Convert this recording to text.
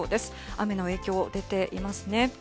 雨の影響が出ていますね。